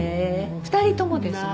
２人ともですね。